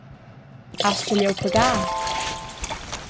Astgel jeu pagar?